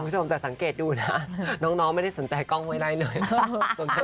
คุณผู้ชมแต่สังเกตดูนะน้องไม่ได้สนใจกล้องไว้ไล่เลย